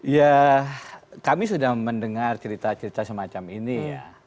ya kami sudah mendengar cerita cerita semacam ini ya